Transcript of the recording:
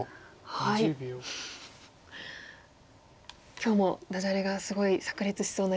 今日もダジャレがすごいさく裂しそうな予感が。